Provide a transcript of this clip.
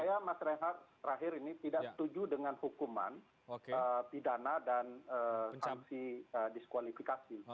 saya mas rehat terakhir ini tidak setuju dengan hukuman pidana dan sanksi diskualifikasi